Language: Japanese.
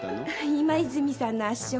今泉さんの圧勝。